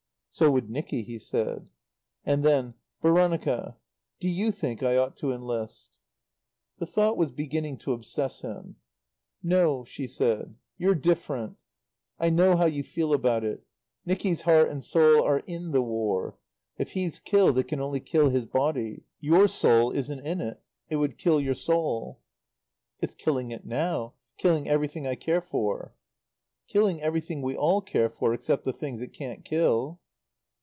"So would Nicky," he said. And then: "Veronica, do you think I ought to enlist?" The thought was beginning to obsess him. "No," she said; "you're different. "I know how you feel about it. Nicky's heart and soul are in the War. If he's killed it can only kill his body. Your soul isn't in it. It would kill your soul." "It's killing it now, killing everything I care for." "Killing everything we all care for, except the things it can't kill."